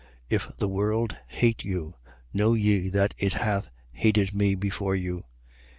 15:18. If the world hate you, know ye that it hath hated me before you.